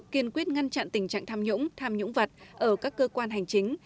kiên quyết ngăn chặn tình trạng tham nhũng tham nhũng vật ở các cơ quan hành chính